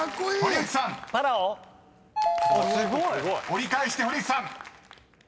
［折り返して堀内さん］